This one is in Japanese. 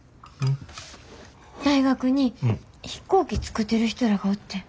大学に飛行機作ってる人らがおってん。